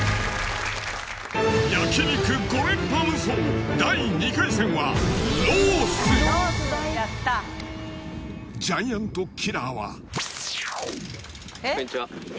焼肉５連覇無双第２回戦はジャイアントキラーはこんにちは。